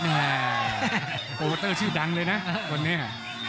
โปรเตอร์ชื่อดังเลยนะคนเนี่ย